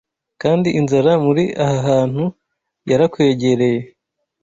Kandi inzara muri aha hantu yarakwegereye